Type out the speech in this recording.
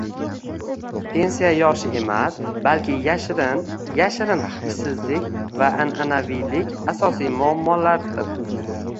Pensiya yoshi emas, balki yashirin yashirin ishsizlik va an'anaviylik asosiy muammolardir